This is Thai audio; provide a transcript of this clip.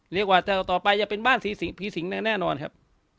เรียกว่าจะไปต่อไปจะเป็นบ้านศิศิหล์ศิลปิศิร์แน่ครับ